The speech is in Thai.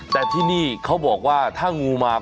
แต่ที่นี่เขาบอกว่าถ้างูมา